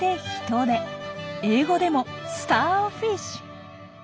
英語でもスターフィッシュ。